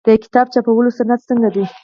د کتاب چاپولو صنعت څنګه دی؟